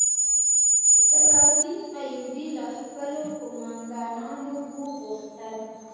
صلاح الدین ایوبي له خپلو قوماندانانو وغوښتل.